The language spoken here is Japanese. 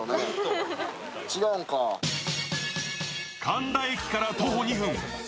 神田駅から徒歩２分。